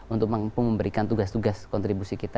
untuk mampu memberikan tugas tugas kontribusi kita